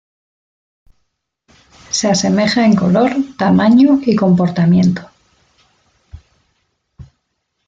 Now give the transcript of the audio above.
Se asemeja en color, tamaño y comportamiento.